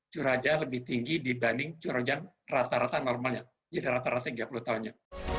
cuaca lebih tinggi dibanding cuaca rata rata normalnya jadi rata rata tiga puluh tahunnya